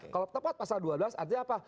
kalau tepat pasal dua belas artinya apa